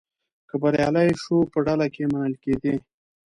که بریالی شو په ډله کې منل کېدی.